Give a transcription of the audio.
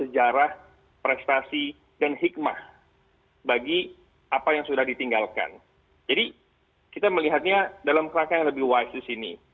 jadi kita melihatnya dalam rangka yang lebih wise di sini